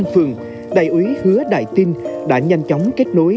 trong phường đại úy hứa đại tin đã nhanh chóng kết nối